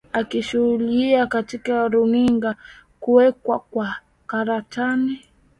akishuhudilia katika runinga kuwekwa kwa karantini